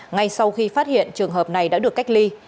ngay sau khi phát hiện trường hợp này đã được cách ly